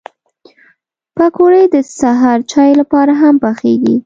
پکورې د سهر چای لپاره هم پخېږي